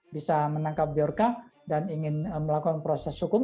bisa menangkap biorca dan ingin melakukan proses hukum